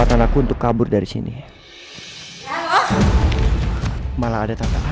diego udah meninggal